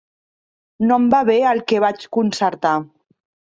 No em va bé el que vaig concertar.